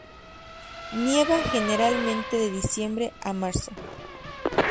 Nieva generalmente de diciembre a marzo.